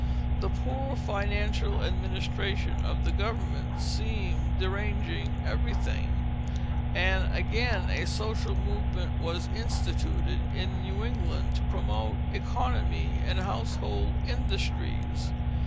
The poor financial administration of the government seemed deranging everything; and again a social movement was instituted in New England to promote "Oeconomy and Household Industries."